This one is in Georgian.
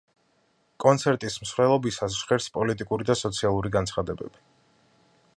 კონცერტის მსვლელობისას ჟღერს პოლიტიკური და სოციალური განცხადებები.